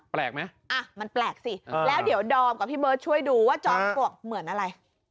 แปลกไหมอ่ะมันแปลกสิแล้วเดี๋ยวดอมกับพี่เบิร์ตช่วยดูว่าจอมปลวกเหมือนอะไร